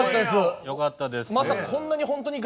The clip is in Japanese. よかったです。